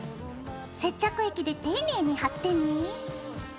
接着液で丁寧に貼ってね。